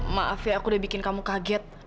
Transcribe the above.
maaf ya aku udah bikin kamu kaget